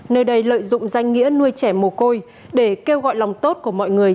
nơi đây lợi dụng danh nghĩa nuôi trẻ mồ côi để kêu gọi lòng tốt của mọi người